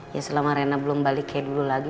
ya selama rena belum balik kayak dulu lagi